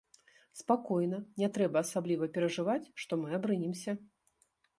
Спакойна, не трэба асабліва перажываць, што мы абрынемся.